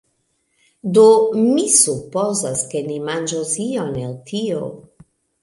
Do, mi supozas, ke ni manĝos ion el tio